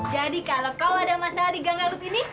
jadi kalau kau ada masalah di gang larut ini